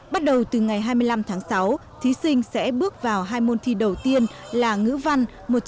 bắt đầu từ ngày hai mươi năm tháng sáu thí sinh sẽ bước vào hai môn thi đầu tiên là ngữ văn